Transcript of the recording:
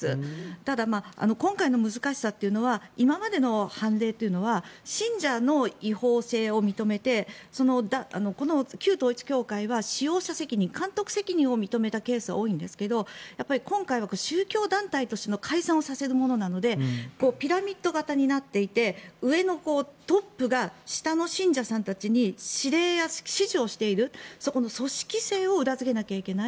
ただ、今回の難しさは今までの判例というのは信者の違法性を認めて旧統一教会は使用者責任監督責任を認めたケースは多いんですが今回は宗教団体として解散をさせるものなのでピラミッド型になっていて上のトップが下の信者さんたちに指令や指示をしているそこの組織性を裏付けなきゃいけない。